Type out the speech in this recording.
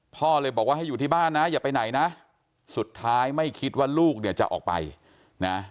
พ่อเลยบอกว่าให้อยู่ที่บ้านนะอย่าไปไหนนะสุดท้ายไม่คิดว่าลูกเนี่ยจะออกไปนะ